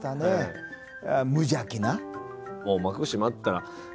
無邪気な。